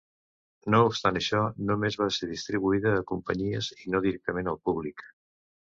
No obstant això, només va ser distribuïda a companyies i no directament al públic.